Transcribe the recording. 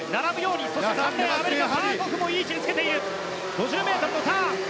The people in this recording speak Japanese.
５０ｍのターン。